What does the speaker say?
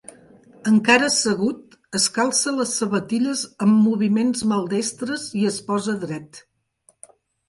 Encara assegut, es calça les sabatilles amb moviments maldestres i es posa dret.